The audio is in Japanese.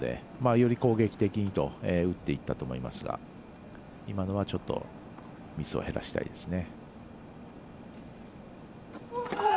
より攻撃的に打っていったと思いますが今のはちょっとミスを減らしたいですね。